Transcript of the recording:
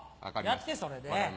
やってそれで。